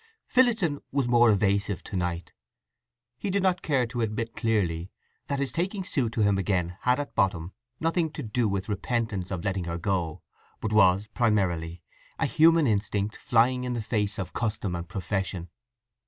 Phillotson was more evasive to night. He did not care to admit clearly that his taking Sue to him again had at bottom nothing to do with repentance of letting her go, but was, primarily, a human instinct flying in the face of custom and profession.